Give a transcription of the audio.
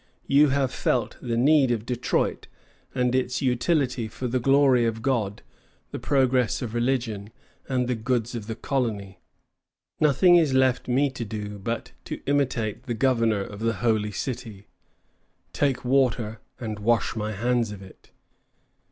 You have felt the need of Detroit, and its utility for the glory of God, the progress of religion, and the good of the colony. Nothing is left me to do but to imitate the governor of the Holy City, take water, and wash my hands of it."